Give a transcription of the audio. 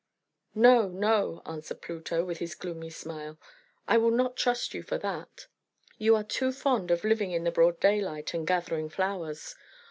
"No, no," answered Pluto, with his gloomy smile, "I will not trust you for that. You are too fond of living in the broad daylight, and gathering flowers.